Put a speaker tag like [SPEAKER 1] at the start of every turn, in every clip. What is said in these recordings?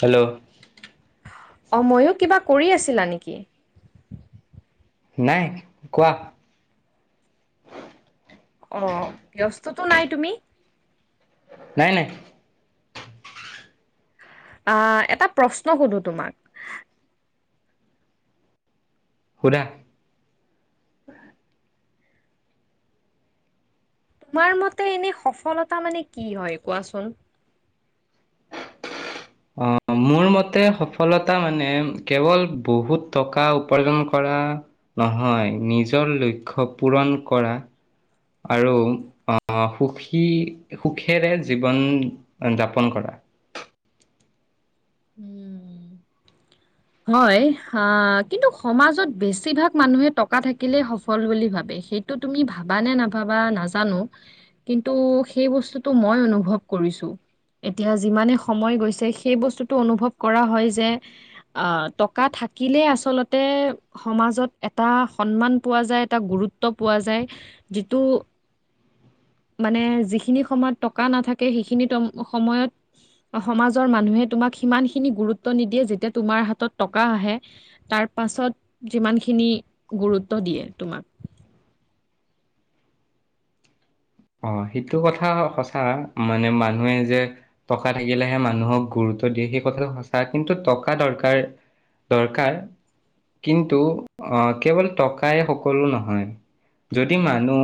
[SPEAKER 1] Hello.
[SPEAKER 2] অঁ ময়ো কিবা কৰি আছিলা নেকি।
[SPEAKER 1] নাই, কোৱা।
[SPEAKER 2] অ ব্যস্ততো নাই তুমি।
[SPEAKER 1] নাই নাই।
[SPEAKER 2] আহ এটা প্ৰশ্ন সুধো তোমাক।
[SPEAKER 1] সুধা।
[SPEAKER 2] তোমাৰ মতে এনে সফলতা মানে কি হয় কোৱাচোন।
[SPEAKER 1] অ মোৰ মতে সফলতা মানে কেৱল বহুত টকা উপাৰ্জন কৰা ৰা নহয় নিজৰ লক্ষ্য পূৰণ কৰা। আৰু আহ সুখী সুখেৰে জীৱন যাপন কৰা।
[SPEAKER 2] উম। হয় আহ কিন্তু সমাজত বেছিভাগ মানুহে টকা থাকিলে সফল বুলি ভাবে। সেইটো তুমি ভাবা নে নাভাবা নাজানো কিন্তু সেই বস্তুতটো মই অনুভৱ ক কৰিছো, এতিয়া যিমানে সময় গৈছে সেই বস্তুটো অনুভৱ কৰা হয় যে। অ টকা থাকিলে আচলতে সমাজত এটা সন্মান পোৱা যায় এটা গুৰু গুত্ব পোৱা যায়, যিটো মানে যিখিনি সময়ত টকা নাথাকে সেইখিনি ট সময়ত। অ সমাজৰ মানুহে তোমাক সিমান খিনি গুৰুত্ব নিদিয়ে যেতিয়া তোমাৰ হাতত টকা আহে তাৰ পাছত যিমানখিনি গুৰুত্ব দিয়ে তোমাক। [unintelligible]
[SPEAKER 1] অ সেইটো কথা সঁচা মানে মানুহে যে টকা থাকিলেহে মানুহক গুৰু- গুৰুত্ব দিয়ে সেই কথাটো সঁচা কিন্তু টকা দৰকাৰ, দৰকাৰ। কিন্তু আহ কেৱল টকাই সকলো নহয়। যদি মানুহ,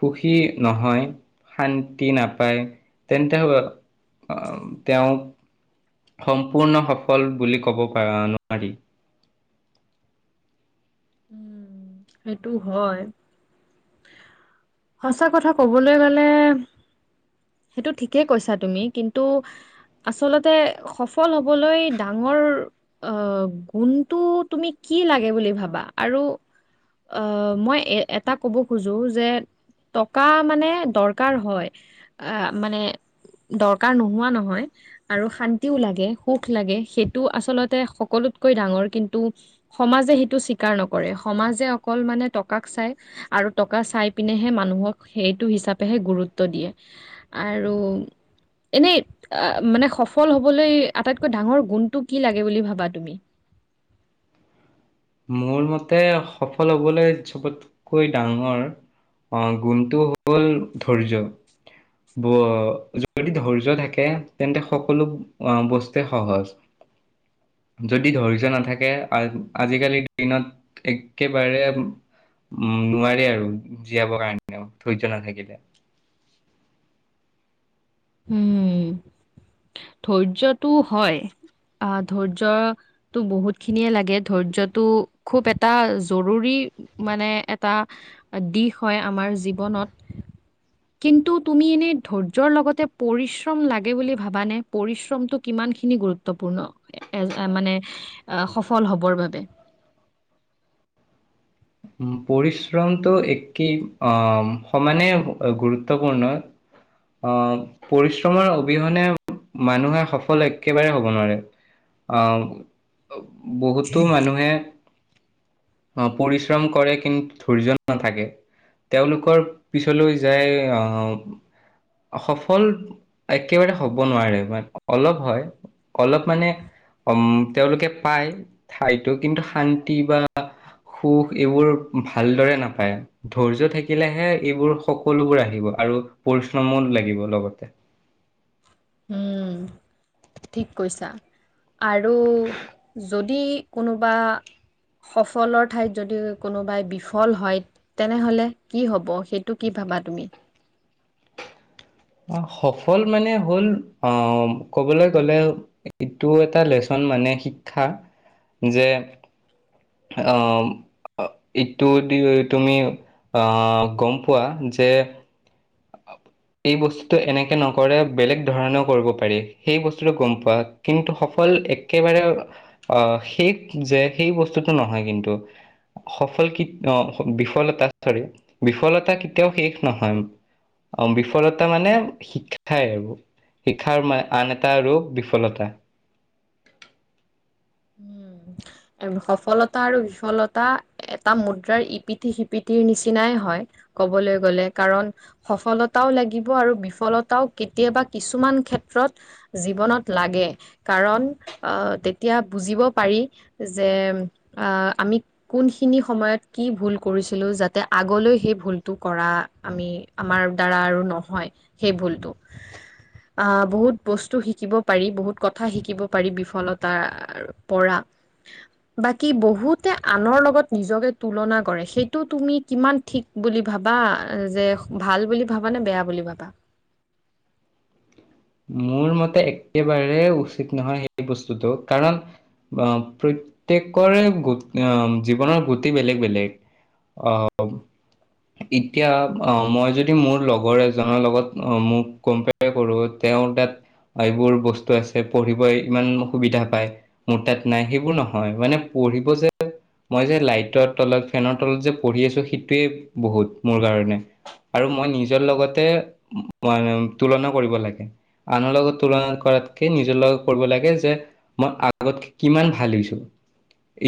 [SPEAKER 1] সুখী নহয়, শান্তি নাপায়, তেন্তে হ তেওঁ। সম্পূৰ্ণ সফল বুলি ক'ব পাৰা নোৱাৰি।
[SPEAKER 2] উম, সেইটো হয়। সঁচা কথা কবলৈ গ'লে। সেইটো ঠিকেই কৈছা তুমি কিন্তু আচলতে সফল হবলৈ ডাঙৰ আহ গুণটো তুমি কি কি লাগে বুলি ভাবা আৰু, আহ মই এ এটা ক'ব খোজো যে টকা মানে দৰকাৰ হয়, আ মানে দৰকাৰ নোহোৱা নহয়, আৰু শান্তিও লাগে সুখ লাগে সেইটো আচলতে সকলো তকৈ ডাঙৰ কিন্তু, সমাজে সেইটো স্বীকাৰ নকৰে সমাজে অকল মানে টকাক চাই আৰু টকা চাই পিনেহে মানুহক সেইটো হিচাপেহে গুৰুত্ব দিয়ে। আৰু। এনেই মানে সফল হবলৈ আটাইতকৈ ডাঙৰ গুণটো কি লাগে বুলি ভাবা তুমি।
[SPEAKER 1] মোৰ মতে সফল হ'বলৈ চবতকৈ ডাঙৰ অ গুণটো হ'ল ধৈৰ্য। ব যদি ধৈৰ্য থাকে তেন্তে সকলো আহ বস্তুৱে সহজ যদি ধৰিছ নাথাকে আজিকালিৰ দিনত একেবাৰে উম নোৱাৰে আৰু জীয়াবৰ কাৰণে ধৈৰ্য নাথাকিলে
[SPEAKER 2] উম ধৈৰ্যটো হয় অ ধৈৰ্য টো বহুত খিনিয়ে লাগে ধৈৰ্য টো খুব এটা জৰুৰী মানে এটা দিশ হয় আমাৰ জীৱনত কিন্তু তুমি এনে ধৈৰ্যৰ লগতে পৰিশ্ৰম লাগে বুলি ভাবা নে পৰিশ্ৰমতটো কিমান খিনি গুৰুত্বপূৰ্ণ এ মানে সফল হ'বৰ বাবে
[SPEAKER 1] উ পৰিশ্ৰমটো একেই আহ সমানে গুৰুত্বপূৰ্ণ আহ পৰিশ্ৰমৰ অবিহনে মানুহে সফল একেবাৰে হব নোৱাৰে আহ বহুতো মানুহে আহ পৰিশ্ৰম কৰে কিন্তু ধৈৰ্য নথাকে তেওঁলোকৰ পিছলৈ যায় আহ সফল একেবাৰে হ'ব নোৱাৰে অলপ হয় অলপ মানে উম তেওঁলোকে পায় ঠাইতো কিন্তু শান্তি বা সুখ এইবোৰ ভালদৰে নাপায় ধৈৰ্য থাকিলেহে এইবোৰ সকলোবোৰ আহিব আৰু আৰু পৰিশ্ৰমো লাগিব লগতে
[SPEAKER 2] উম ঠিক কৈছা আৰু যদি যদি কোনোবা সফলৰ ঠাইত যদি কোনোবাই বিফল হয় তেনেহলে কি হব সেইটো কি পাবা তুমি
[SPEAKER 1] অ সফল মানে হ'ল অ ক'বলৈ গ'লে ইটো এটা লেচন মানে শিক্ষা যে আহ ইটো দি তুমি আহ গম পোৱা যে
[SPEAKER 2] অ
[SPEAKER 1] এই বস্তুটো এনেকে নকৰে বেলেগ ধৰণেও কৰিব পাৰি সেই বস্তুটো গম পোৱা কিন্তু সফল অল একেবাৰে আহ শেই যে সেই বস্তুটো নহয় কিন্তু সফল কি বিফলতা চ'ৰি বিফলতা কেতিয়াও শেষ নহয় অ বিফলতা মানে শিক্ষাই আৰু শিক্ষাৰ আন এটা আৰু বিফলতা
[SPEAKER 2] উম সফলতা আৰু বিফলতা এটা মুদ্ৰাৰ ইপিঠি সিপিঠিৰ নিচিনাই হয় ক'বলৈ গ'লে কাৰণ সফলতাও লাগিব আৰু বিফলতাও কেতিয়াবা কিছুমান ক্ষেত্ৰত জীৱনত লাগে কাৰণ আহ তেতিয়া বুজিব পাৰি যে আমি কোনখিনি সময়ত কি ভুল কৰিছিলো যাতে আগলৈ সেই ভূলটো আমি আমাৰ দাৰা নহয় স ভুলটো আহ বহুত বস্তু শিকিব পাৰি বহুত কথা শিকিব পাৰি বিফলতাৰ পৰা উ বাকী বহুতে আনৰ লগত নিজকে তুলনা কৰে সেইটো তুমি কিমান থঠিক বুলি ভাবা যে ভাল বুলি ভাবা নে বেয়া বুলি ভাবা
[SPEAKER 1] মোৰ মতে একেবাৰে উচিত নহয় সেই বস্তুটো কাৰণ বা প্ৰত্যেকৰে গ জীৱনৰ গতি বেলেগ বেলেগ আহ এতিয়া অ মই যদি মোৰ লগৰ এজনৰ লগত অ মোক কম্পেয়াৰ কৰো তেওঁ তাত এইবোৰ বস্তু আছে পঢ়িবই ইমান অ সুবিধা পায় মোৰ তাত নাই সেইবোৰ নহয় মানে পঢ়িব যে মই যে লাইটৰ তলত ফেনৰ তলত যে পঢ়ি আছো সেইটোৱে বহুত মোৰ কাৰণে আৰু মই নিজৰ লগতে তুলনা কৰিব লাগে আনৰ লগত তুলনা কৰাতকে নিজৰ লগত কৰিব লাগে যে মই আগতকে কিমান ভাল হৈছোঁ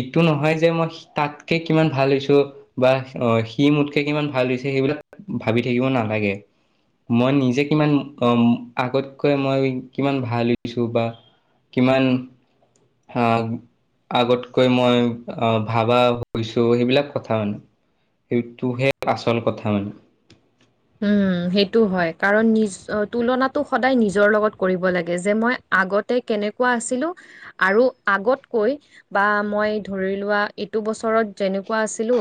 [SPEAKER 1] এইটো নহয় যে মই তাতকে কিমান ভাল হৈছোঁ বা অ সি মোতকে কিমান ভাল হৈছে সেইবিলাক ভাবি থাকিব নালাগে মই নিজে কিমান আগতকৈ মই কিমান ভাল হৈছোঁ বা কিমান হা আগতকৈ মই ভাবা হৈছো সেইবিলাক কথা মানে সেইটোহে আচল কথা মানে
[SPEAKER 2] উম সেইটো হয় কাৰণ নিজ তুলনাতটো সদায় নিজৰ লগত কৰিব লাগে যে মই আগতে কেনেকুৱা আছিলোঁ আৰু আগতকৈ বা মই ধৰি লোৱা দুবছৰত যেনেকুৱা আছিলো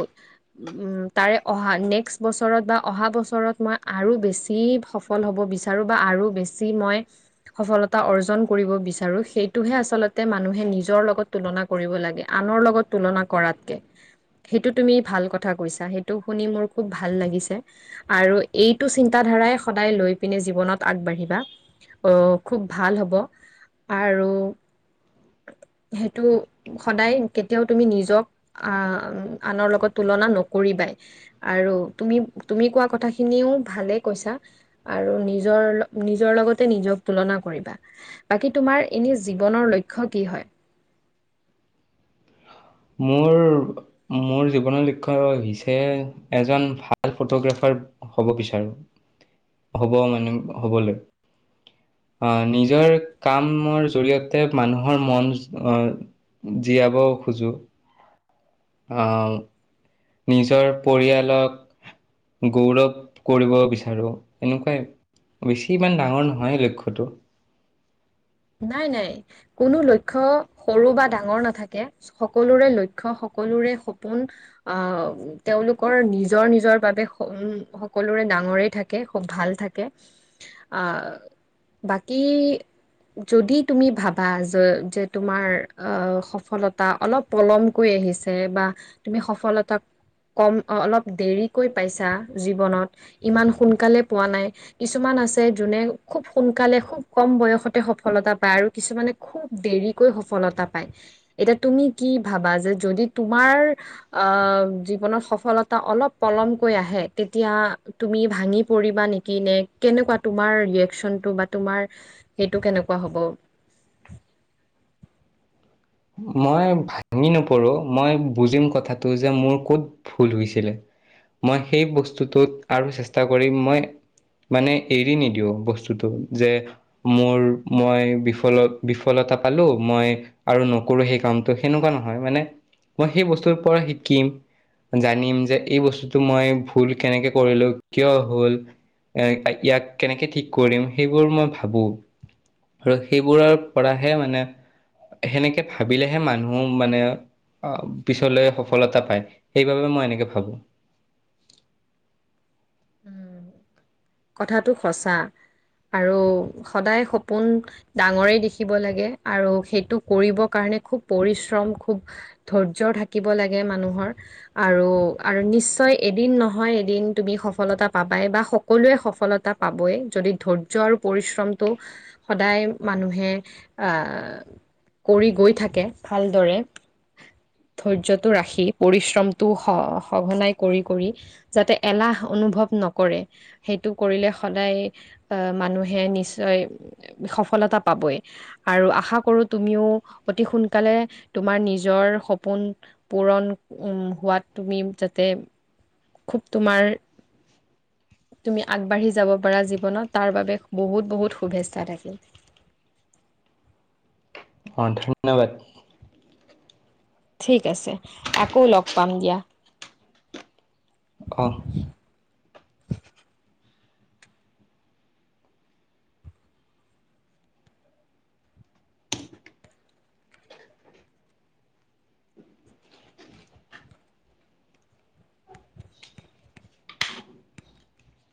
[SPEAKER 2] তাৰে অহা নেক্সট বছৰত বা অহা বছৰত ওচৰত মই আৰু বেছি সফল হ'ব বিচাৰো বা আৰু বেছি মই সফলতা অৰ্জন কৰিব বিচাৰো সেইটোহে আচলতে মানুহে নিজৰ লগত তুলনা কৰিব লাগে আনৰ লগত তুলনা কৰাতক সেইটো তুমি ভাল কথা কৈছা সেইটো শুনি মোৰ খু ভাল লাগিছে আৰু এইটো চিন্তাধাৰাই সদায় লৈ পিনে জীৱনত আগবাঢ়িবা অ খুব ভাল হ'ব আৰু সেইটো সদায় কেতিয়াও তুমি নিজক আ আনৰ লগত তুলনা নকৰিবা আৰু তুমি তুমি কোৱা কথাখিনিও ভালেই কৈছা আৰু নিজৰ নিজৰ লগতে নিজক তুলনা কৰিবা বাকী তোমাৰ এনে জীৱনৰ লক্ষ্য কি হয়
[SPEAKER 1] মোৰ মোৰ জীৱনৰ লক্ষ্য হৈছে এজন ভাল ফটোগ্ৰাফাৰ হব বিচাৰো হ'ব মানে হবলৈ আহ নিজৰ কামৰ জৰিয়তে মানুহৰ মন আহ জীয়াবও খোজো আহ নিজৰ পৰিয়ালক গৌৰৱ কৰিব বিচাৰো এনেকুৱাই বেছি ইমান ডাঙৰ নহয় লক্ষ্যটো
[SPEAKER 2] নাই নাই কোনো লক্ষ্য সৰু বা ডাঙৰ নাথাকে সকলোৰে লক্ষ্য সকলোৰে সপোন আহ তেওঁলোকৰ নিজৰ নিজৰ বাবে সকলোৰে ডাঙৰেই থাকে খুব ভাল থাকে। অঁ বাকী যদি তুমি ভাবা যে যে তোমাৰ অ সফলতা অলপ পলমকৈ আহ বা তুমি সফলতাক কম অলপ দেৰিকৈ পাইছা জীৱনত ইমান সোনকালে পোৱা নাই কিছুমান কিছুমান আছে জোনে খুব সোনকালে খুব কম বয়শতে স সফলতা পায় আৰু কিছুমানে খুব দেৰিকৈ সফলতা পায় এতিয়া তুমি কি ভাবা যে যদি তোমাৰ অ জীৱনত সফলতা অলপ পলমকৈ আহে তেতিয়া তুমি ভাঙি পৰিবা নেকি নে কেনেকুৱা তোমাৰ ৰিয়েকচন টো বা তোমাৰ সেইটো কেনেকুৱা কোঁৱা হ'ব
[SPEAKER 1] মই ভাঙি নপৰোঁ মই বুজিম কথাটো যে মোৰ ক'ত ভুল হৈছিলে মই সেই বস্তুটোত আৰু চেষ্টা কৰিম মই মানে এৰি নিদিও বস্তুটো যে মোৰ মই বিফল বিফলত তা পালো মই আৰু কৰো সেই কামটো সেনেকুৱা নহয় মানে মই সেই বস্তুৰ পৰা শিকিম জানিম যে এই বস্তুটো মই ভুল কেনেকে কৰিলো কিয় হল এ ইয়াক কেনেকে ঠিক কৰিম সেইবোৰ মই ভাবো আৰু সেইবোৰৰ পৰাহে মানে সেনেকে ভাবিলেহে মানুহ মানে আহ পিছলৈ সফলতা পায় সেইবাবে মই এনেকে ভাবো
[SPEAKER 2] [inaudible] কথাটো সঁচা আৰু সদায় সপোন ডাঙৰে দেখিব লাগে আৰু সেইটো কৰিব কাৰণে খুব পৰিশ্ৰম খুব ধৈৰ্য্য থাকিব লাগে মানুহৰ আৰু আৰু [unintelligible] নিশ্চয় এদিন নহয় এদিন তুমি সফলতা পাবাই বা সকলোৱে সফলতা পাবই যদি ধৈৰ্য্য আৰু পৰিশ্ৰমটো সদায় মানুহে কৰি গৈ থাকে ভালদৰে ধৈৰ্যটো ৰাখি পৰিশ্ৰমটো স সঘনাই কৰি কৰি যাতে এলাহ অনুভৱ নকৰে সেইটো কৰিলে সদায় আহ মানুহে নিশ্চয় সফলতা পাবই আৰু আশা কৰোঁ তুমিও অতি সোনকালে তোমাৰ নিজৰ সপোন পূৰণ হোৱাত তুমি যাতে খুব তোমাৰ তুমি আগবাঢ়ি যাব পাৰা জীৱনত তাৰ বাবে বহুত বহুত শুভেচ্ছা থাকিল [inaudible]
[SPEAKER 1] অ', ধন্যবাদ।
[SPEAKER 2] ঠিক আছে আকৌ লগ পাম দিয়া।
[SPEAKER 1] অ',